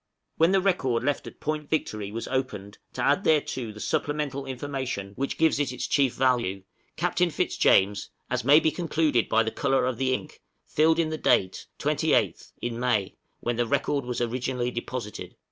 When the record left at Point Victory was opened to add thereto the supplemental information which gives it its chief value, Captain Fitzjames, as may be concluded by the color of the ink, filled in the date 28th in May, when the record was originally deposited.